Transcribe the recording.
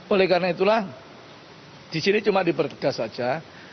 oleh karena itulah di sini cuma dipertegas saja